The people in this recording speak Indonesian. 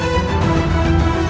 hidup raden walang susah